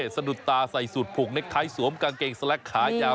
สะดุดตาใส่สูรผลกในคล้ายสวมกางเกงสล็กขายาว